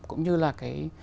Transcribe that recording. cũng như là cái sự ngoan